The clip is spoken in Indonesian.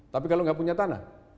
tapi kalau nggak punya tanah